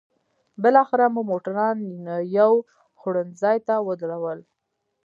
بالاخره مو موټران یو خوړنځای ته ودرول.